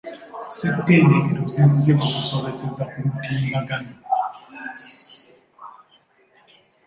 Ssettendekero zizze ku kusomeseza ku mutimbagano.